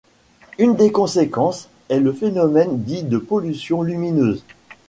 Une des conséquences est le phénomène dit de pollution lumineuse.